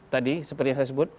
tadi seperti yang saya sebut